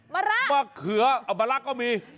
มะเขือมะรักก็มี